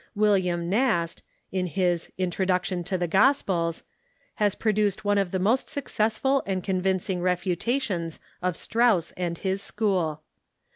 William Nast, in his " Introduction to the Gospels," has produced one of the most successful and convincing refu tations of Strauss and his school.